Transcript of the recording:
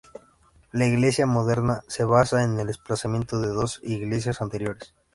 La iglesia moderna se basa en el emplazamiento de dos iglesias anteriores.